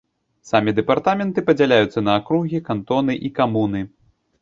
Самі дэпартаменты падзяляюцца на акругі, кантоны і камуны.